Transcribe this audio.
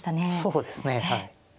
そうですねはい。